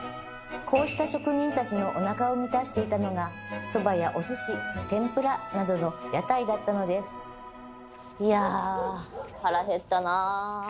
こうした職人たちのおなかを満たしていたのがそばやお寿司天ぷらなどの屋台だったのですいや腹減ったな。